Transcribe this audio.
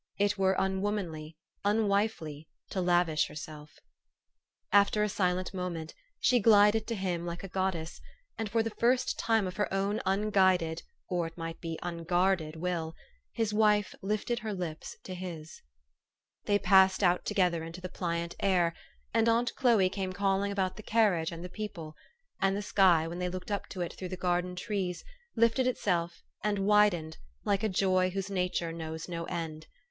It were unwomanly, unwifely, to lavish herself. After a silent moment, she gh'ded to him like a goddess, and for the first time of her own unguided, or it might be unguarded will, his wife lifted her lips to his. 234 THE STORY OF AVIS. They passed out together into the pliant air ; and aunt Chloe came calling about the carriage and the people ; and the sky, when they looked up to it through the garden trees, lifted itself, and widened, like a joy whose nature knows no end.